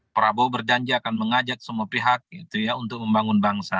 prabowo berjanji akan mengajak semua pihak untuk membangun bangsa